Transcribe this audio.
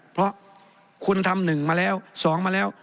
เพราะคุณทำ๑มาแล้ว๒มาแล้ว